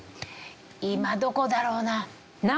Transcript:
今どこだろうな？